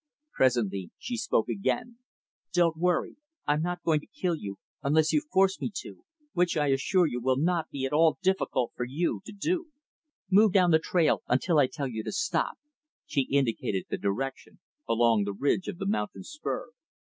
Presently, she spoke again. "Don't worry. I'm not going to kill you unless you force me to which I assure you will not be at all difficult for you to do. Move down the trail until I tell you to stop." She indicated the direction, along the ridge of the mountain spur.